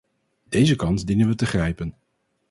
Deze kans dienen we te grijpen.